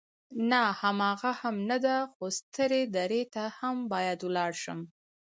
نه، هماغه هم نه ده، خو سترې درې ته هم باید ولاړ شم.